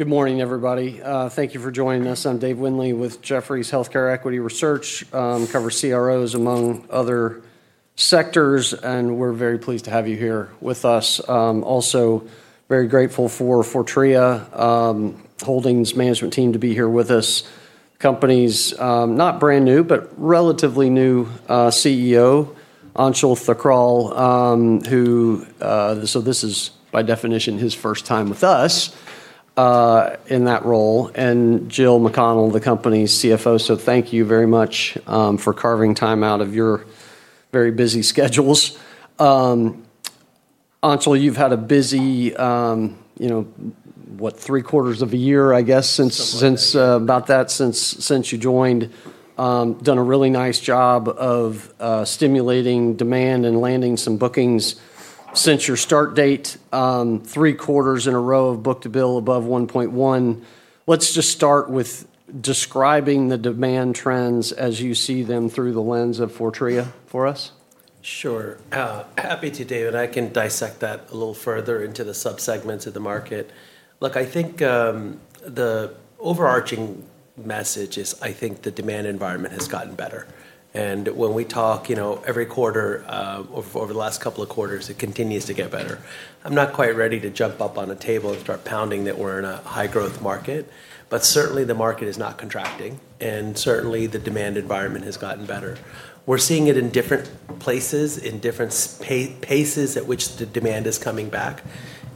All right. Good morning, everybody. Thank you for joining us. I'm Dave Windley with Jefferies' Healthcare Equity Research. I cover CROs among other sectors, and we're very pleased to have you here with us. Also very grateful for Fortrea Holdings management team to be here with us. Company's not brand new, but relatively new CEO, Anshul Thakral. This is by definition his first time with us in that role, and Jill McConnell, the company's CFO. Thank you very much for carving time out of your very busy schedules. Anshul, you've had a busy what, three quarters of a year, I guess- Something like that. about that since you joined. Done a really nice job of stimulating demand and landing some bookings since your start date, three quarters in a row of book to bill above 1.1. Let's just start with describing the demand trends as you see them through the lens of Fortrea for us. Sure. Happy to, David. I can dissect that a little further into the sub-segments of the market. Look, I think the overarching message is, I think the demand environment has gotten better. When we talk every quarter, over the last couple of quarters, it continues to get better. I'm not quite ready to jump up on a table and start pounding that we're in a high-growth market, but certainly the market is not contracting, and certainly the demand environment has gotten better. We're seeing it in different places, in different paces at which the demand is coming back.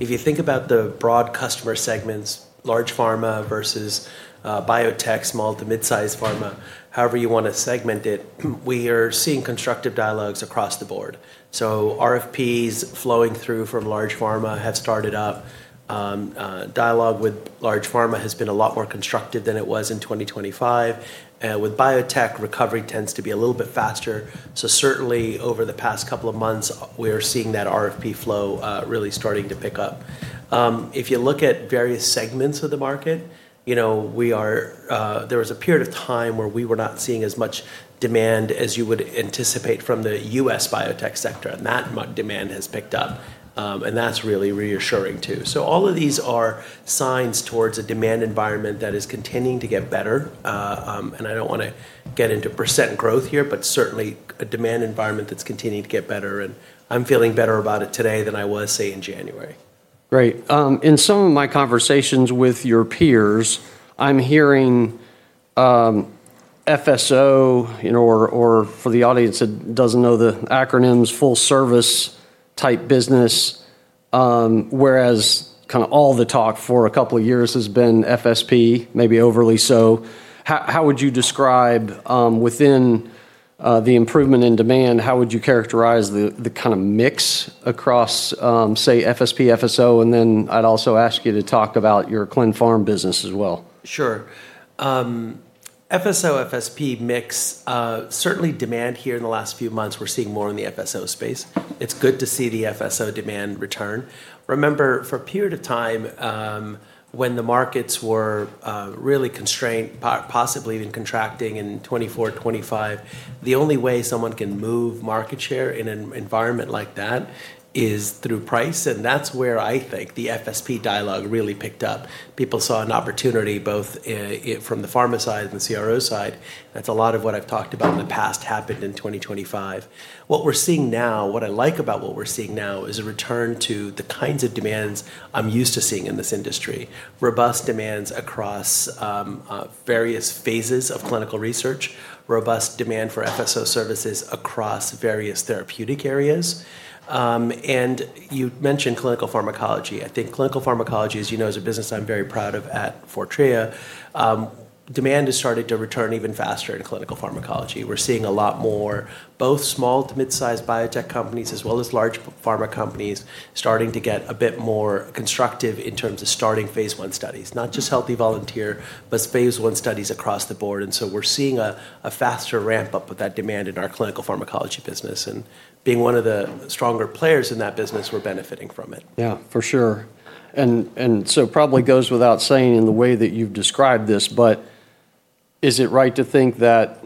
If you think about the broad customer segments, large pharma versus biotech, small to mid-size pharma, however you want to segment it, we are seeing constructive dialogues across the board. RFPs flowing through from large pharma have started up. Dialogue with large pharma has been a lot more constructive than it was in 2025. With biotech, recovery tends to be a little bit faster. Certainly over the past couple of months, we are seeing that RFP flow really starting to pick up. If you look at various segments of the market, there was a period of time where we were not seeing as much demand as you would anticipate from the U.S. biotech sector, and that demand has picked up. That's really reassuring, too. All of these are signs towards a demand environment that is continuing to get better. I don't want to get into percent growth here, but certainly a demand environment that's continuing to get better. I'm feeling better about it today than I was, say, in January. Great. In some of my conversations with your peers, I'm hearing FSO, or for the audience that doesn't know the acronyms, full service type business. Whereas all the talk for a couple of years has been FSP, maybe overly so. Within the improvement in demand, how would you characterize the mix across, say, FSP, FSO? I'd also ask you to talk about your clin pharm business as well. Sure. FSO, FSP mix, certainly demand here in the last few months, we're seeing more in the FSO space. It's good to see the FSO demand return. Remember, for a period of time, when the markets were really constrained, possibly even contracting in 2024, 2025, the only way someone can move market share in an environment like that is through price. That's where I think the FSP dialogue really picked up. People saw an opportunity both from the pharma side and the CRO side. That's a lot of what I've talked about in the past, happened in 2025. What I like about what we're seeing now is a return to the kinds of demands I'm used to seeing in this industry. Robust demands across various phases of clinical research, robust demand for FSO services across various therapeutic areas. You mentioned clinical pharmacology. I think clinical pharmacology, as you know, is a business I'm very proud of at Fortrea. Demand has started to return even faster in clinical pharmacology. We're seeing a lot more both small to mid-size biotech companies as well as large pharma companies starting to get a bit more constructive in terms of starting phase I studies. Not just healthy volunteer, but phase I studies across the board. We're seeing a faster ramp-up with that demand in our clinical pharmacology business. Being one of the stronger players in that business, we're benefiting from it. Yeah, for sure. It probably goes without saying in the way that you've described this, but is it right to think that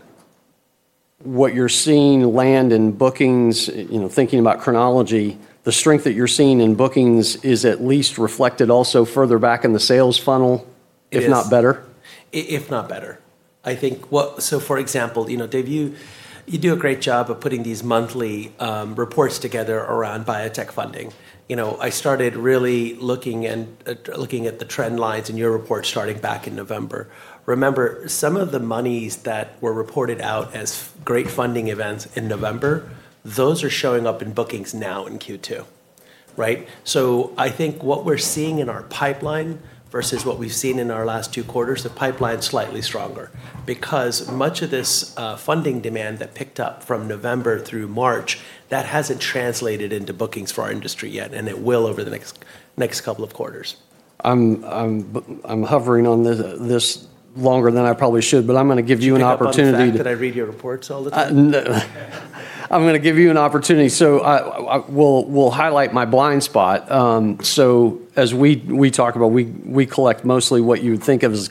what you're seeing land in bookings, thinking about chronology, the strength that you're seeing in bookings is at least reflected also further back in the sales funnel? Yes. If not better? If not better. For example, Dave, you do a great job of putting these monthly reports together around biotech funding. I started really looking at the trend lines in your report starting back in November. Remember, some of the monies that were reported out as great funding events in November, those are showing up in bookings now in Q2. Right? I think what we're seeing in our pipeline versus what we've seen in our last two quarters, the pipeline's slightly stronger. Because much of this funding demand that picked up from November through March, that hasn't translated into bookings for our industry yet, and it will over the next couple of quarters. I'm hovering on this longer than I probably should, but I'm going to give you an opportunity to. You pick up on the fact that I read your reports all the time? I'm going to give you an opportunity. We'll highlight my blind spot. As we talk about, we collect mostly what you would think of as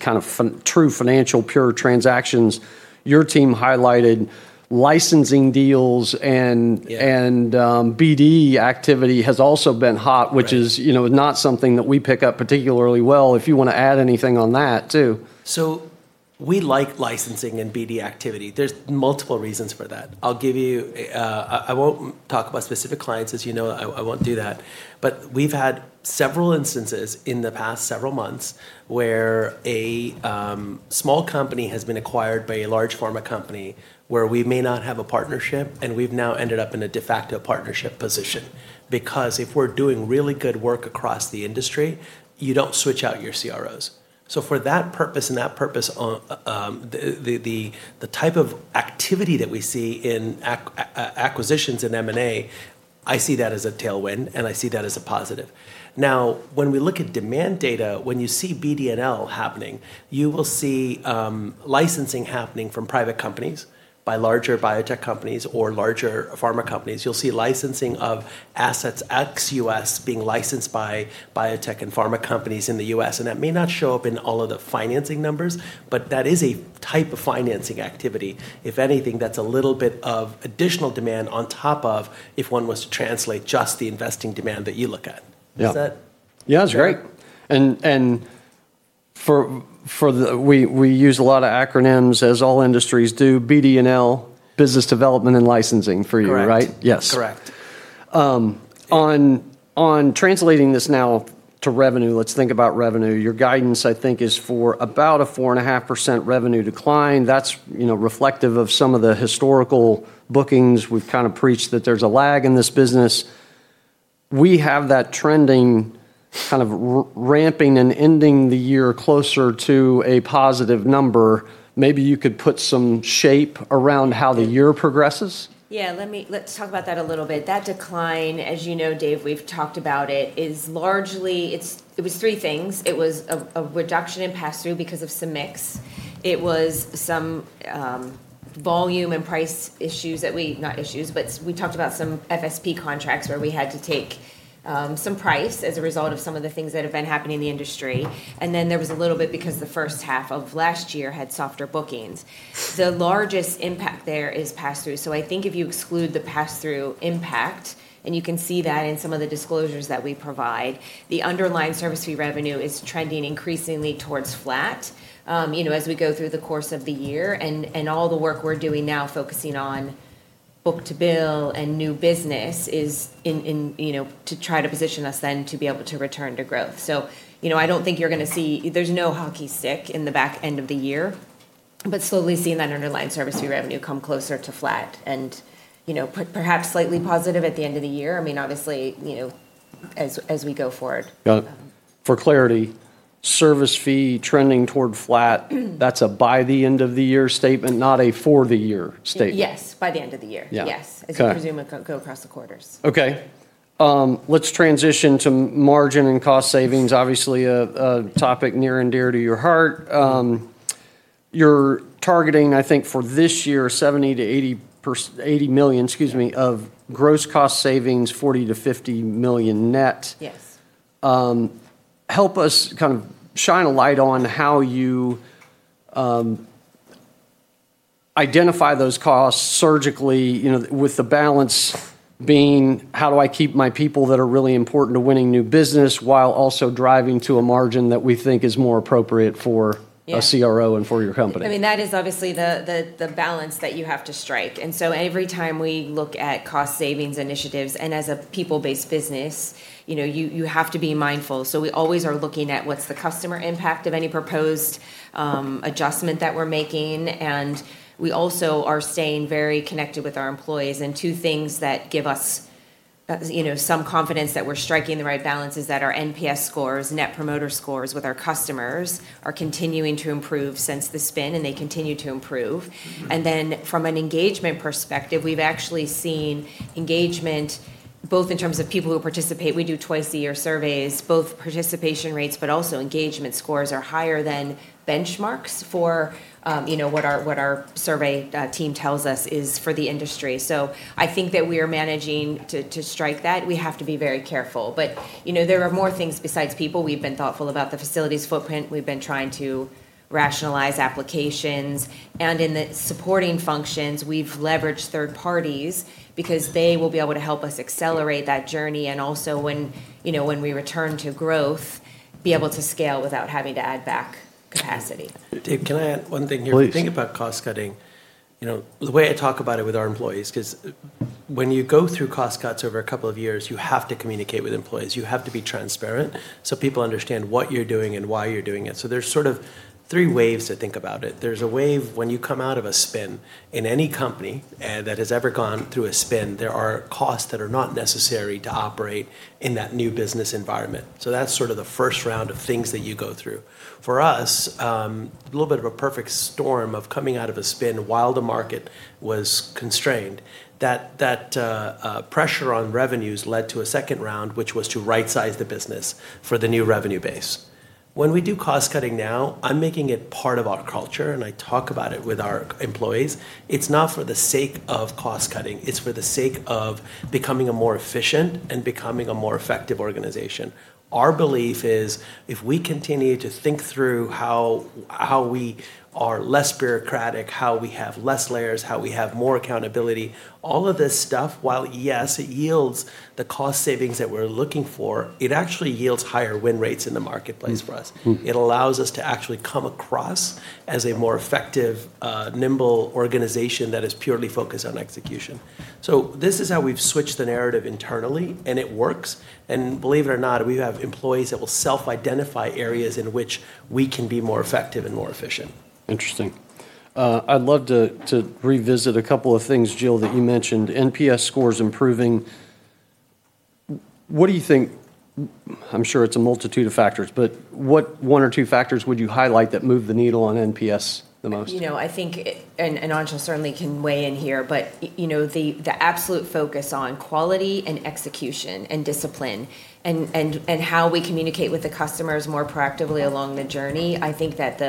true financial pure transactions. Your team highlighted licensing deals and- Yeah. BD activity has also been hot. Right. which is not something that we pick up particularly well. If you want to add anything on that, too. We like licensing and BD activity. There's multiple reasons for that. I won't talk about specific clients, as you know I won't do that. We've had several instances in the past several months where a small company has been acquired by a large pharma company where we may not have a partnership, and we've now ended up in a de facto partnership position. Because if we're doing really good work across the industry, you don't switch out your CROs. For that purpose and that purpose on the type of activity that we see in acquisitions in M&A, I see that as a tailwind, and I see that as a positive. When we look at demand data, when you see BD&L happening, you will see licensing happening from private companies by larger biotech companies or larger pharma companies. You'll see licensing of assets ex-U.S. being licensed by biotech and pharma companies in the U.S., and that may not show up in all of the financing numbers, but that is a type of financing activity. If anything, that's a little bit of additional demand on top of if one was to translate just the investing demand that you look at. Yeah. Does that- Yeah, that's great. We use a lot of acronyms, as all industries do. BD&L, business development and licensing for you, right? Correct. Yes. Correct. On translating this now to revenue, let's think about revenue. Your guidance, I think, is for about a 4.5% revenue decline. That's reflective of some of the historical bookings. We've kind of preached that there's a lag in this business. We have that trending kind of ramping and ending the year closer to a positive number. Maybe you could put some shape around how the year progresses. Yeah, let's talk about that a little bit. That decline, as you know, Dave, we've talked about it was three things. It was a reduction in pass-through because of some mix. It was some volume and price not issues, but we talked about some FSP contracts where we had to take some price as a result of some of the things that have been happening in the industry. There was a little bit because the first half of last year had softer bookings. The largest impact there is pass-through. I think if you exclude the pass-through impact, and you can see that in some of the disclosures that we provide, the underlying service fee revenue is trending increasingly towards flat as we go through the course of the year. All the work we're doing now focusing on book-to-bill and new business is to try to position us then to be able to return to growth. I don't think you're going to see, there's no hockey stick in the back end of the year, but slowly seeing that underlying service fee revenue come closer to flat and perhaps slightly positive at the end of the year. Obviously, as we go forward. Got it. For clarity, service fee trending toward flat, that's a by the end of the year statement, not a for the year statement. Yes, by the end of the year. Yeah. Yes. Okay. As you presume, go across the quarters. Okay. Let's transition to margin and cost savings, obviously a topic near and dear to your heart. You're targeting, I think for this year, $70 million-$80 million- Yeah. of gross cost savings, $40 million-$50 million net. Yes. Help us kind of shine a light on how you identify those costs surgically, with the balance being, how do I keep my people that are really important to winning new business while also driving to a margin that we think is more appropriate for- Yeah. A CRO and for your company? That is obviously the balance that you have to strike. every time we look at cost savings initiatives, and as a people-based business, you have to be mindful. we always are looking at what's the customer impact of any proposed adjustment that we're making, and we also are staying very connected with our employees. Two things that give us some confidence that we're striking the right balance is that our NPS scores, Net Promoter Score, with our customers are continuing to improve since the spin, and they continue to improve. from an engagement perspective, we've actually seen engagement both in terms of people who participate, we do twice-a-year surveys, both participation rates, but also engagement scores are higher than benchmarks for what our survey team tells us is for the industry. I think that we are managing to strike that. We have to be very careful. there are more things besides people. We've been thoughtful about the facilities footprint. We've been trying to rationalize applications. in the supporting functions, we've leveraged third parties because they will be able to help us accelerate that journey and also when we return to growth, be able to scale without having to add back capacity. Dave, can I add one thing here? Please. The thing about cost-cutting, the way I talk about it with our employees, because when you go through cost cuts over a couple of years, you have to communicate with employees. You have to be transparent so people understand what you're doing and why you're doing it. There's sort of three waves to think about it. There's a wave when you come out of a spin. In any company that has ever gone through a spin, there are costs that are not necessary to operate in that new business environment. That's sort of the first round of things that you go through. For us, a little bit of a perfect storm of coming out of a spin while the market was constrained. That pressure on revenues led to a second round, which was to right-size the business for the new revenue base. When we do cost-cutting now, I'm making it part of our culture, and I talk about it with our employees. It's not for the sake of cost-cutting. It's for the sake of becoming a more efficient and becoming a more effective organization. Our belief is if we continue to think through how we are less bureaucratic, how we have less layers, how we have more accountability, all of this stuff, while yes, it yields the cost savings that we're looking for, it actually yields higher win rates in the marketplace for us. It allows us to actually come across as a more effective, nimble organization that is purely focused on execution. This is how we've switched the narrative internally, and it works. Believe it or not, we have employees that will self-identify areas in which we can be more effective and more efficient. Interesting. I'd love to revisit a couple of things, Jill, that you mentioned. NPS scores improving. What do you think, I'm sure it's a multitude of factors, but what one or two factors would you highlight that move the needle on NPS the most? I think, and Anshul certainly can weigh in here, but the absolute focus on quality and execution and discipline and how we communicate with the customers more proactively along the journey. I think that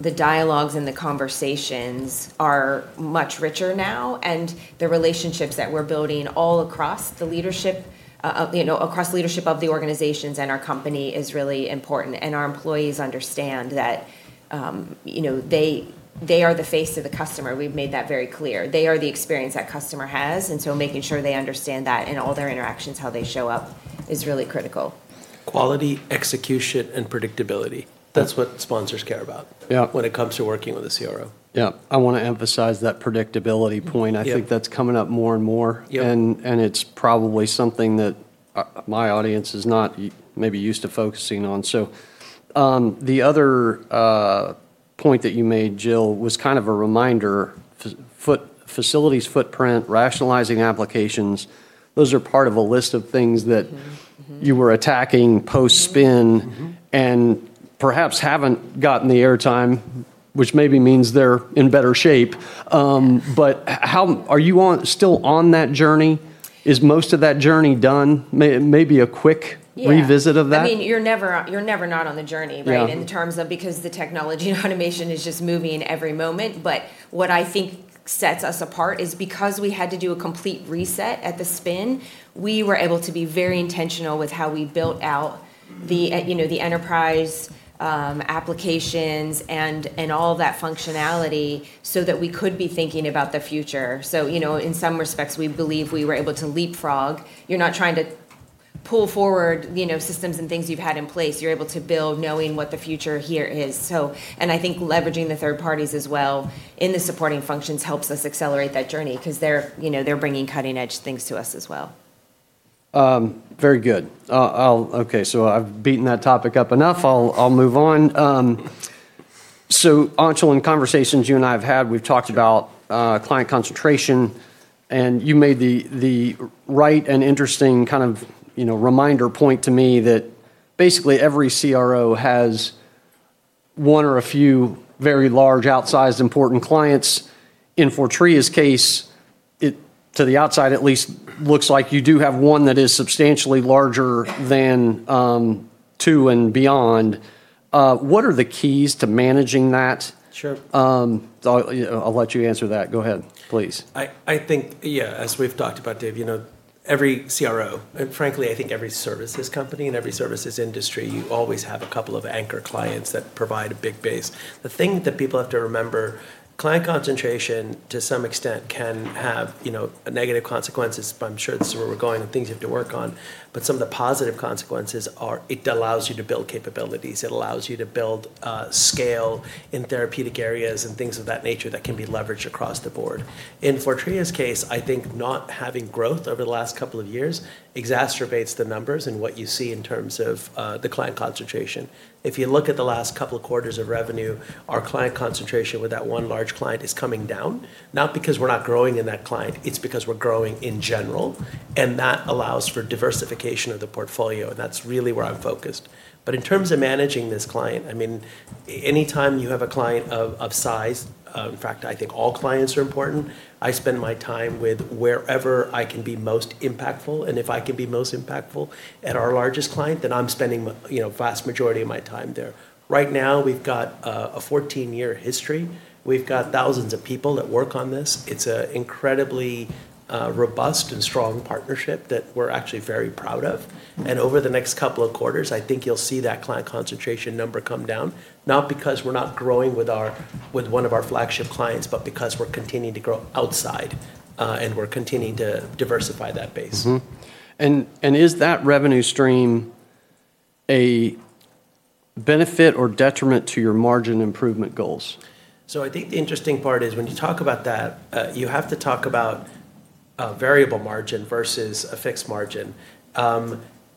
the dialogues and the conversations are much richer now, and the relationships that we're building all across the leadership of the organizations and our company is really important. Our employees understand that they are the face of the customer. We've made that very clear. They are the experience that customer has. Making sure they understand that in all their interactions, how they show up is really critical. Quality, execution, and predictability. That's what sponsors care about- Yeah. When it comes to working with a CRO. Yeah. I want to emphasize that predictability point. Yeah. I think that's coming up more and more. Yeah. it's probably something that my audience is not maybe used to focusing on. The other point that you made, Jill, was kind of a reminder, facilities footprint, rationalizing applications, those are part of a list of things that- you were attacking post-spin- perhaps haven't gotten the air time, which maybe means they're in better shape. Are you still on that journey? Is most of that journey done? Yeah. revisit of that. You're never not on the journey, right? Yeah. In terms of because the technology and automation is just moving every moment. What I think sets us apart is because we had to do a complete reset at the spin, we were able to be very intentional with how we built out the enterprise applications and all that functionality so that we could be thinking about the future. In some respects, we believe we were able to leapfrog. You're not trying to pull forward systems and things you've had in place. You're able to build knowing what the future here is. I think leveraging the third parties as well in the supporting functions helps us accelerate that journey because they're bringing cutting-edge things to us as well. Very good. Okay, I've beaten that topic up enough. I'll move on. Anshul, in conversations you and I have had, we've talked about client concentration, and you made the right and interesting kind of reminder point to me that basically every CRO has one or a few very large, outsized, important clients. In Fortrea's case, to the outside at least, looks like you do have one that is substantially larger than two and beyond. What are the keys to managing that? Sure. I'll let you answer that. Go ahead, please. I think, yeah, as we've talked about, Dave, every CRO, and frankly, I think every services company and every services industry, you always have a couple of anchor clients that provide a big base. The thing that people have to remember, client concentration to some extent can have negative consequences, but I'm sure this is where we're going and things you have to work on, but some of the positive consequences are it allows you to build capabilities. It allows you to build scale in therapeutic areas and things of that nature that can be leveraged across the board. In Fortrea's case, I think not having growth over the last couple of years exacerbates the numbers and what you see in terms of the client concentration. If you look at the last couple of quarters of revenue, our client concentration with that one large client is coming down, not because we're not growing in that client. It's because we're growing in general, and that allows for diversification of the portfolio, and that's really where I'm focused. In terms of managing this client, any time you have a client of size, in fact, I think all clients are important, I spend my time with wherever I can be most impactful. If I can be most impactful at our largest client, then I'm spending vast majority of my time there. Right now, we've got a 14-year history. We've got thousands of people that work on this. It's an incredibly robust and strong partnership that we're actually very proud of. Over the next couple of quarters, I think you'll see that client concentration number come down, not because we're not growing with one of our flagship clients, but because we're continuing to grow outside, and we're continuing to diversify that base. Is that revenue stream a benefit or detriment to your margin improvement goals? I think the interesting part is when you talk about that, you have to talk about a variable margin versus a fixed margin.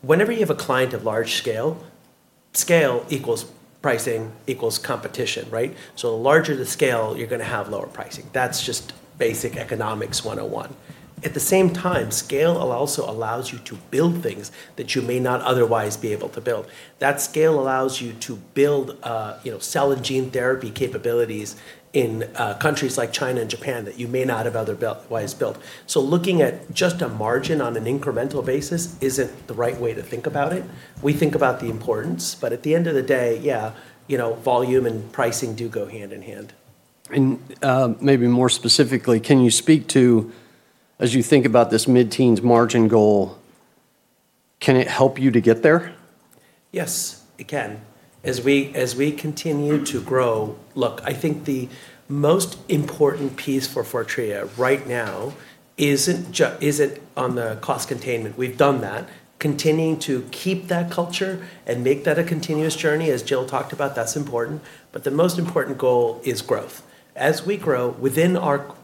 Whenever you have a client of large scale equals pricing equals competition, right? The larger the scale, you're going to have lower pricing. That's just basic economics 101. At the same time, scale also allows you to build things that you may not otherwise be able to build. That scale allows you to build cell and gene therapy capabilities in countries like China and Japan that you may not have otherwise built. Looking at just a margin on an incremental basis isn't the right way to think about it. We think about the importance, but at the end of the day, yeah, volume and pricing do go hand in hand. Maybe more specifically, can you speak to, as you think about this mid-teens margin goal, can it help you to get there? Yes, it can. As we continue to grow, look, I think the most important piece for Fortrea right now isn't on the cost containment. We've done that. Continuing to keep that culture and make that a continuous journey, as Jill talked about, that's important. The most important goal is growth. As we grow within our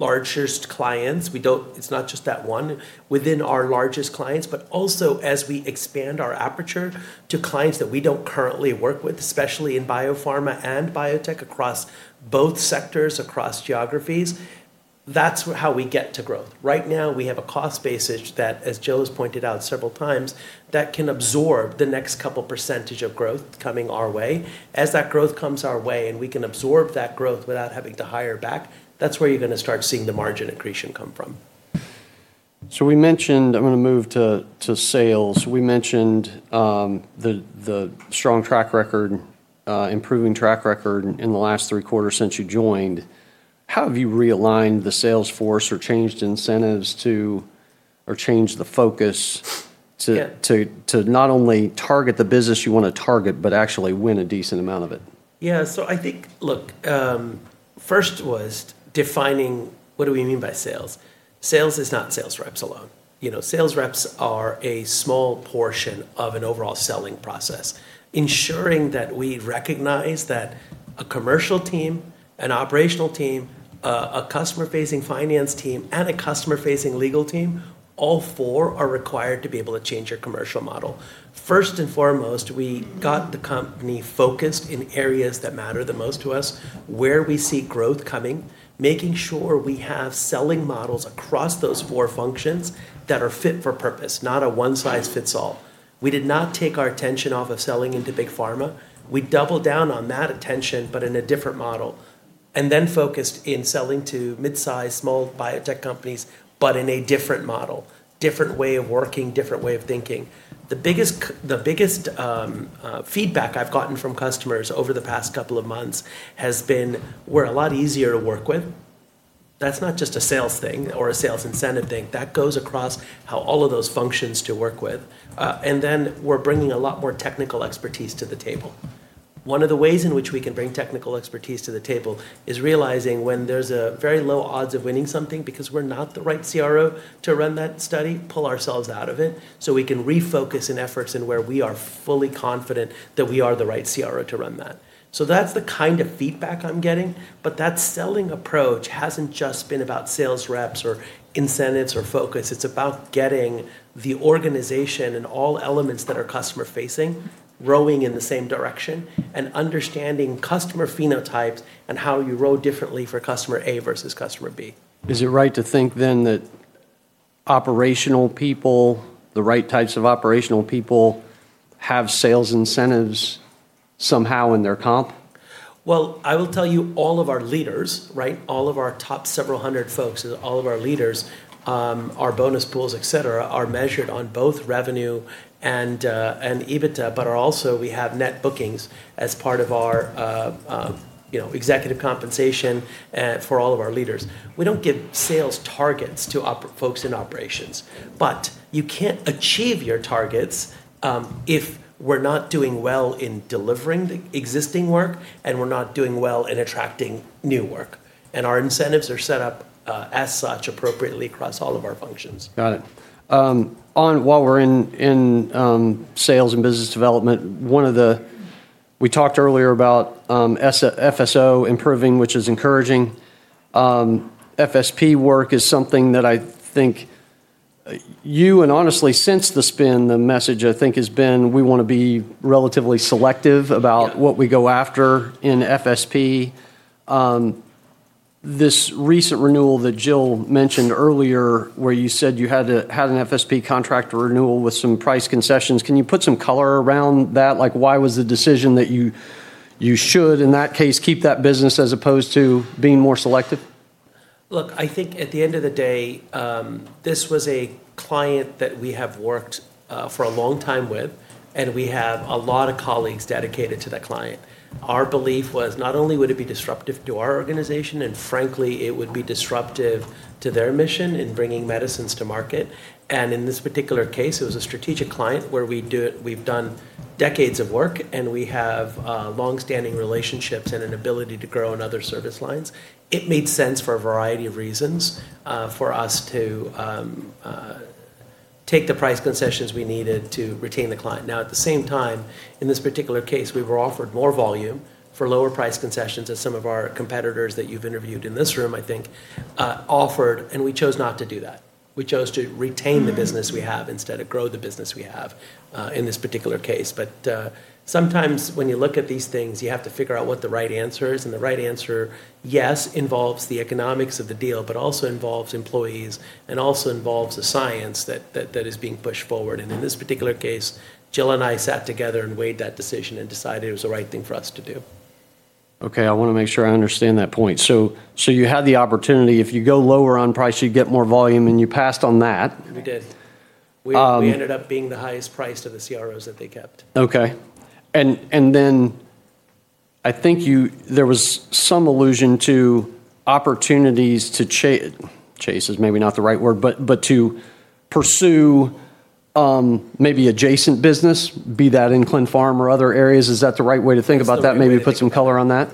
largest clients, it's not just that one, within our largest clients, but also as we expand our aperture to clients that we don't currently work with, especially in biopharma and biotech across both sectors, across geographies. That's how we get to grow. Right now, we have a cost basis that, as Jill has pointed out several times, that can absorb the next couple percentage of growth coming our way. As that growth comes our way, and we can absorb that growth without having to hire back, that's where you're going to start seeing the margin accretion come from. I'm going to move to sales. We mentioned the strong track record, improving track record in the last three quarters since you joined. How have you realigned the sales force or changed incentives to, or changed the focus to- Yeah. to not only target the business you want to target, but actually win a decent amount of it? Yeah. Look, first was defining what do we mean by sales. Sales is not sales reps alone. Sales reps are a small portion of an overall selling process. Ensuring that we recognize that a commercial team, an operational team, a customer-facing finance team, and a customer-facing legal team, all four are required to be able to change your commercial model. First and foremost, we got the company focused in areas that matter the most to us, where we see growth coming, making sure we have selling models across those four functions that are fit for purpose, not a one size fits all. We did not take our attention off of selling into big pharma. We doubled down on that attention, but in a different model, and then focused in selling to mid-size, small biotech companies, but in a different model. Different way of working, different way of thinking. The biggest feedback I've gotten from customers over the past couple of months has been we're a lot easier to work with. That's not just a sales thing or a sales incentive thing. That goes across how all of those functions to work with. We're bringing a lot more technical expertise to the table. One of the ways in which we can bring technical expertise to the table is realizing when there's a very low odds of winning something because we're not the right CRO to run that study, pull ourselves out of it, so we can refocus in efforts in where we are fully confident that we are the right CRO to run that. That's the kind of feedback I'm getting, but that selling approach hasn't just been about sales reps or incentives or focus. It's about getting the organization and all elements that are customer-facing, rowing in the same direction, and understanding customer phenotypes and how you row differently for customer A versus customer B. Is it right to think that operational people, the right types of operational people, have sales incentives somehow in their comp? Well, I will tell you all of our leaders, all of our top several hundred folks, all of our leaders, our bonus pools, et cetera, are measured on both revenue and EBITDA, but also we have net bookings as part of our executive compensation for all of our leaders. We don't give sales targets to folks in operations. You can't achieve your targets if we're not doing well in delivering the existing work and we're not doing well in attracting new work. Our incentives are set up as such appropriately across all of our functions. Got it. While we're in sales and business development, we talked earlier about FSO improving, which is encouraging. FSP work is something that I think you, and honestly since the spin, the message I think has been we want to be relatively selective. Yeah. what we go after in FSP. This recent renewal that Jill mentioned earlier where you said you had an FSP contract renewal with some price concessions, can you put some color around that? Why was the decision that you should, in that case, keep that business as opposed to being more selective? Look, I think at the end of the day, this was a client that we have worked for a long time with, and we have a lot of colleagues dedicated to that client. Our belief was not only would it be disruptive to our organization, and frankly, it would be disruptive to their mission in bringing medicines to market. In this particular case, it was a strategic client where we've done decades of work, and we have longstanding relationships and an ability to grow in other service lines. It made sense for a variety of reasons for us to take the price concessions we needed to retain the client. Now, at the same time, in this particular case, we were offered more volume for lower price concessions as some of our competitors that you've interviewed in this room, I think, offered, and we chose not to do that. We chose to retain the business we have instead, or grow the business we have in this particular case. Sometimes when you look at these things, you have to figure out what the right answer is, and the right answer, yes, involves the economics of the deal, but also involves employees and also involves the science that is being pushed forward. In this particular case, Jill and I sat together and weighed that decision and decided it was the right thing for us to do. Okay. I want to make sure I understand that point. You had the opportunity, if you go lower on price, you'd get more volume, and you passed on that. We did. We ended up being the highest price of the CROs that they kept. Okay. I think there was some allusion to opportunities to chase is maybe not the right word, but to pursue maybe adjacent business, be that in clin pharm or other areas. Is that the right way to think about that? That's the right way to think about it. Maybe put some color on that.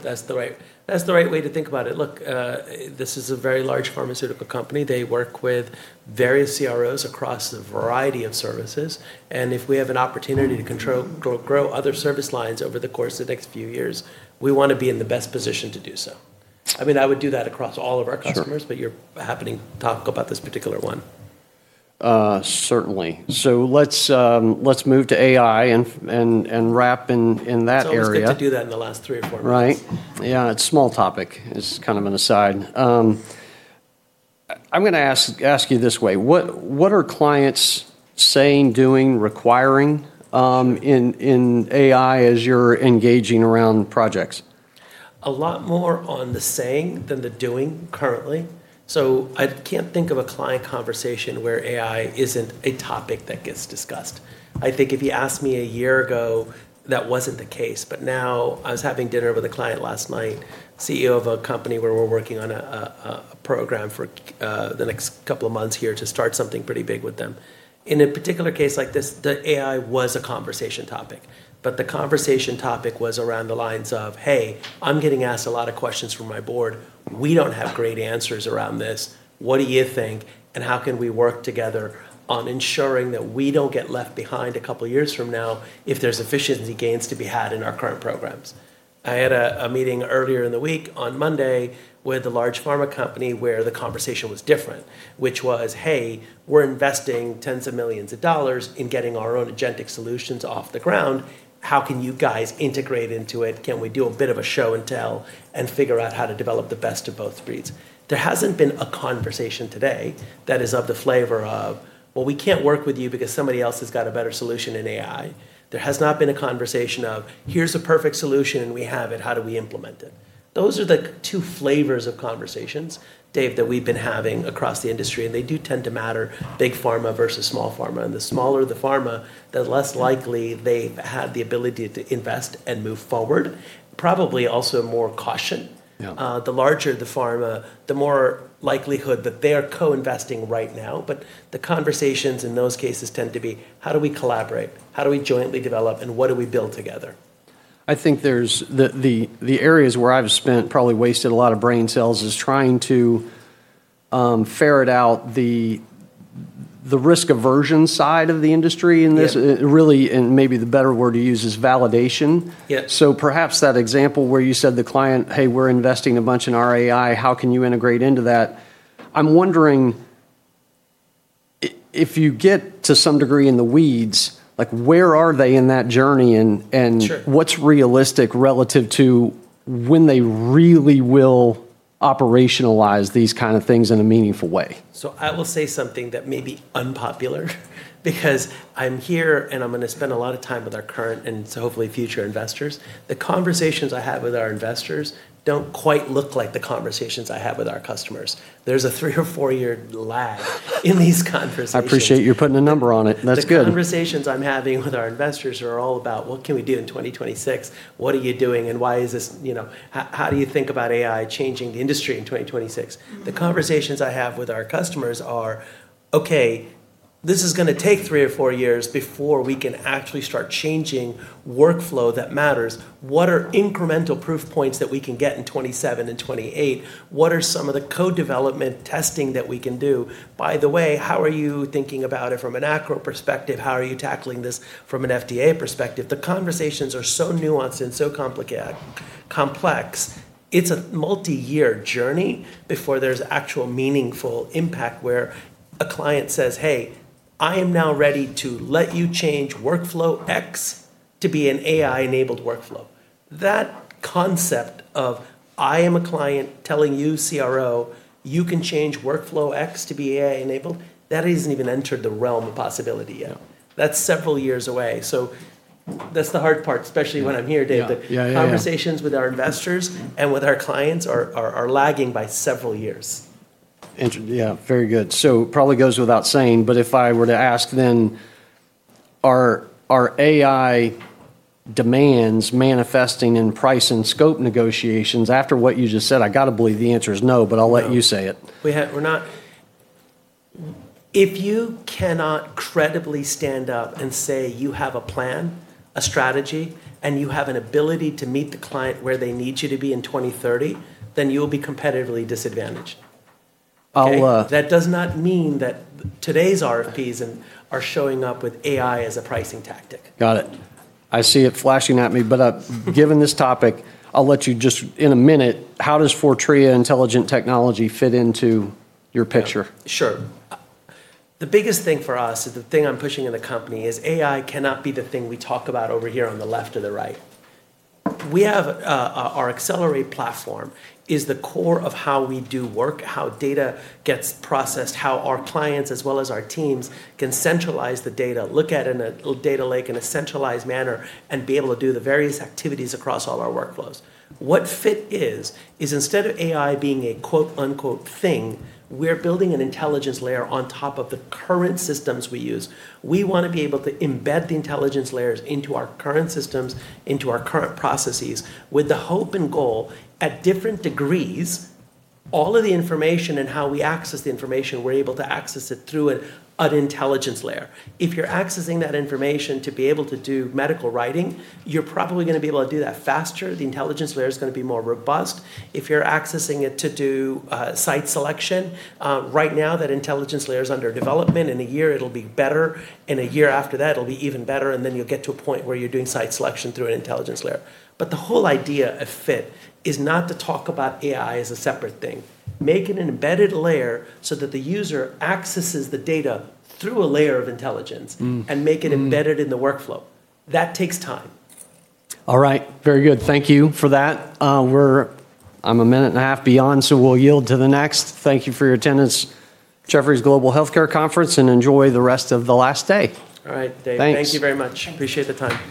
That's the right way to think about it. Look, this is a very large pharmaceutical company. They work with various CROs across a variety of services, and if we have an opportunity to grow other service lines over the course of the next few years, we want to be in the best position to do so. I would do that across all of our customers- Sure. you're happening to talk about this particular one. Certainly. Let's move to AI and wrap in that area. It's almost good to do that in the last three or four minutes. Right. Yeah, it's small topic. It's kind of an aside. I'm going to ask you this way. What are clients saying, doing, requiring in AI as you're engaging around projects? A lot more on the saying than the doing currently. I can't think of a client conversation where AI isn't a topic that gets discussed. I think if you asked me a year ago, that wasn't the case. now, I was having dinner with a client last night, CEO of a company where we're working on a program for the next couple of months here to start something pretty big with them. In a particular case like this, the AI was a conversation topic, but the conversation topic was around the lines of, "Hey, I'm getting asked a lot of questions from my board. We don't have great answers around this. What do you think, and how can we work together on ensuring that we don't get left behind a couple years from now if there's efficiency gains to be had in our current programs?" I had a meeting earlier in the week on Monday with a large pharma company where the conversation was different, which was, "Hey, we're investing tens of millions of dollars in getting our own agentic solutions off the ground. How can you guys integrate into it? Can we do a bit of a show-and-tell and figure out how to develop the best of both breeds?" There hasn't been a conversation today that is of the flavor of, "Well, we can't work with you because somebody else has got a better solution in AI." There has not been a conversation of, "Here's a perfect solution, and we have it. How do we implement it?" Those are the two flavors of conversations, Dave, that we've been having across the industry, and they do tend to matter big pharma versus small pharma, and the smaller the pharma, the less likely they've had the ability to invest and move forward. Probably also more caution. Yeah. The larger the pharma, the more likelihood that they are co-investing right now. the conversations in those cases tend to be, how do we collaborate? How do we jointly develop, and what do we build together? I think the areas where I've spent, probably wasted a lot of brain cells, is trying to ferret out the risk aversion side of the industry in this. Yeah. Really, and maybe the better word to use is validation. Yeah. perhaps that example where you said the client, "Hey, we're investing a bunch in our AI. How can you integrate into that?" I'm wondering if you get to some degree in the weeds, where are they in that journey and Sure. what's realistic relative to when they really will operationalize these kind of things in a meaningful way? I will say something that may be unpopular because I'm here, and I'm going to spend a lot of time with our current and hopefully future investors. The conversations I have with our investors don't quite look like the conversations I have with our customers. There's a three or four year lag in these conversations. I appreciate you putting a number on it. That's good. The conversations I'm having with our investors are all about what can we do in 2026? How do you think about AI changing the industry in 2026? The conversations I have with our customers are, okay, this is going to take three or four years before we can actually start changing workflow that matters. What are incremental proof points that we can get in 2027 and '28? What are some of the co-development testing that we can do? By the way, how are you thinking about it from an eCRO perspective? How are you tackling this from an FDA perspective? The conversations are so nuanced and so complex. It's a multi-year journey before there's actual meaningful impact where a client says, "Hey, I am now ready to let you change workflow X to be an AI-enabled workflow." That concept of, I am a client telling you, CRO, you can change workflow X to be AI-enabled. That hasn't even entered the realm of possibility yet. That's several years away. That's the hard part, especially when I'm here, Dave. Yeah. The conversations with our investors and with our clients are lagging by several years. Yeah. Very good. Probably goes without saying, but if I were to ask then, are AI demands manifesting in price and scope negotiations? After what you just said, I got to believe the answer is no, but I'll let you say it. If you cannot credibly stand up and say you have a plan, a strategy, and you have an ability to meet the client where they need you to be in 2030, then you'll be competitively disadvantaged. I'll- That does not mean that today's RFPs are showing up with AI as a pricing tactic. Got it. I see it flashing at me. Given this topic, I'll let you just in a minute, how does Fortrea Intelligent Technology fit into your picture? Sure. The biggest thing for us is the thing I'm pushing in the company is AI cannot be the thing we talk about over here on the left or the right. Our Xcellerate platform is the core of how we do work, how data gets processed, how our clients as well as our teams can centralize the data, look at it in a data lake in a centralized manner, and be able to do the various activities across all our workflows. What FIT is instead of AI being a "thing," we're building an intelligence layer on top of the current systems we use. We want to be able to embed the intelligence layers into our current systems, into our current processes, with the hope and goal, at different degrees, all of the information and how we access the information, we're able to access it through an intelligence layer. If you're accessing that information to be able to do medical writing, you're probably going to be able to do that faster. The intelligence layer is going to be more robust. If you're accessing it to do site selection, right now that intelligence layer is under development. In a year it'll be better, and a year after that it'll be even better, and then you'll get to a point where you're doing site selection through an intelligence layer. The whole idea of fit is not to talk about AI as a separate thing. Make it an embedded layer so that the user accesses the data through a layer of intelligence. make it embedded in the workflow. That takes time. All right. Very good. Thank you for that. I'm a minute and a half beyond, so we'll yield to the next. Thank you for your attendance, Jefferies Global Healthcare Conference, and enjoy the rest of the last day. All right, Dave. Thanks. Thank you very much. Appreciate the time